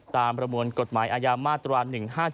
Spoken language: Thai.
ตามประมวลกฎหมายอายามมาตรวาล๑๕๗